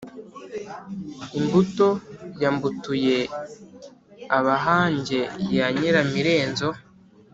imbuto ya mbutuye abahange ya nyiramirenzo,